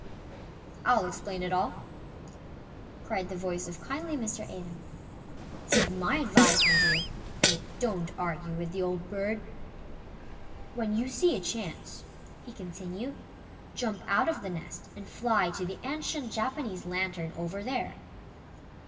"I'll explain it all," cried the voice of kindly Mr. Atom. "Take MY advice, my dear, and don't argue with the old Bird." "When you see a chance," he continued, "jump out of the nest and fly to the ancient Japanese Lantern over there."